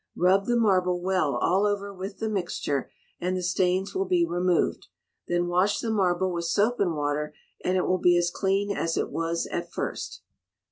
Rub the marble well all over with the mixture, and the stains will be removed; then wash the marble with soap and water, and it will be as clean as it was at first.